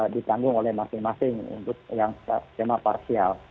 ditanggung oleh masing masing untuk yang skema parsial